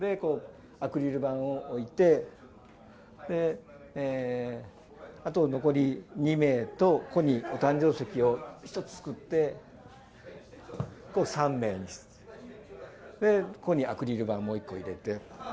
アクリル板を置いて、あと残り２名と、ここにお誕生席を１つ作って、３名にして、ここにアクリル板もう１個入れて。